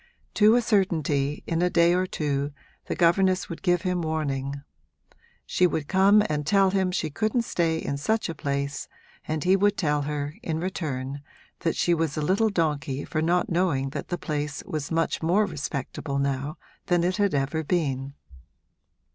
To a certainty, in a day or two, the governess would give him warning: she would come and tell him she couldn't stay in such a place, and he would tell her, in return, that she was a little donkey for not knowing that the place was much more respectable now than it had ever been.